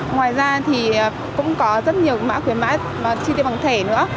ngoài ra thì cũng có rất nhiều cái mã khuyến mã chi tiêu bằng thẻ nữa